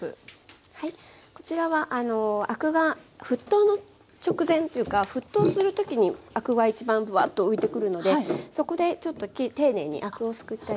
こちらはアクが沸騰の直前というか沸騰するときにアクが一番ぶわっと浮いてくるのでそこでちょっと丁寧にアクをすくってあげて下さい。